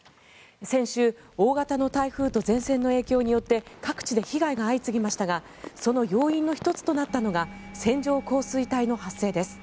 先週、大型の台風と前線の影響によって各地で被害が相次ぎましたがその要因の１つとなったのが線状降水帯の発生です。